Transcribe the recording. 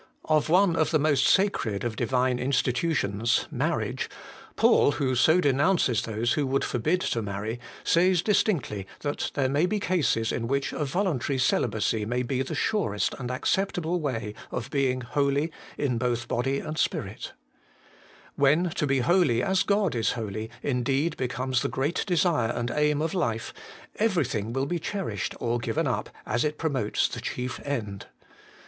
Of one of the most sacred of Divine institutions, marriage, Paul, who so denounces those who would forbid to marry, says distinctly that there may be cases in which a voluntary celibacy may be the surest and acceptable way of being 'holy both in body and spirit' When to be holy as God is holy indeed becomes the great desire and aim of life, everything will be cherished or given up as it promotes the chief end.